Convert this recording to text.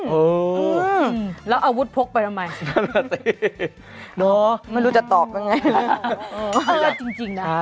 โอ้โหแล้วอาวุธพกไปทำไมไม่รู้จะตอบยังไงเลิศจริงนะ